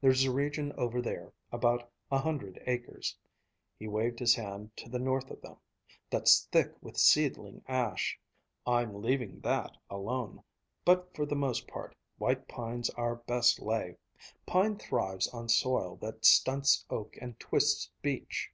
There's a region over there, about a hundred acres," he waved his hand to the north of them, "that's thick with seedling ash. I'm leaving that alone. But for the most part, white pine's our best lay. Pine thrives on soil that stunts oak and twists beech.